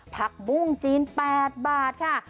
ผักบุ้งจีน๘บาทค่ะ